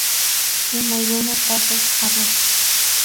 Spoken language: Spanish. En algunos casos arroz.